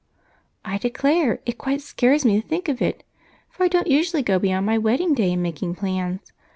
"I declare it quite scares me to think of it, for I don't usually go beyond my wedding day in making plans.